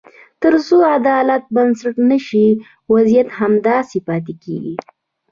تر څو عدالت بنسټ نه شي، وضعیت همداسې پاتې کېږي.